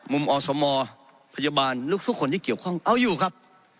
อสมพยาบาลทุกคนที่เกี่ยวข้องเอาอยู่ครับ